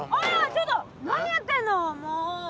ちょっと何やってんのもう！